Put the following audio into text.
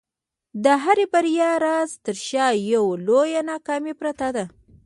د هري بریا راز تر شا یوه لویه ناکامي پرته ده.